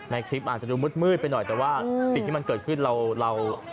ในคลิปอาจจะดูมืดไปหน่อยแต่ว่าสิ่งที่มันเกิดขึ้นเราเรา